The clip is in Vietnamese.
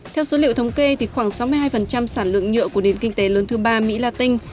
theo số liệu thống kê khoảng sáu mươi hai sản lượng nhựa của nền kinh tế lớn thứ ba mỹ la tinh